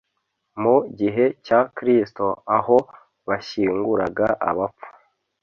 Mu gihe cya Kristo, aho bashyinguraga abapfu,